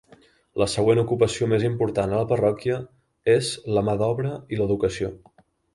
La següent ocupació més important a la parròquia és la mà d'obra i l'educació.